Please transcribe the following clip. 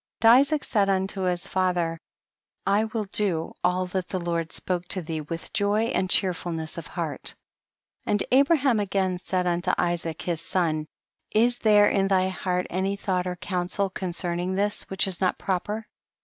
52. And Isaac said unto his fath er, I will do all that the Lord spoke THE BOOK OF JASHER. 67 to thee with joy and checrfuhiess of heart. 53. And Abraham again said unto Isaac his son, is there in thy heart any thought or counsel concerning this, which is not proper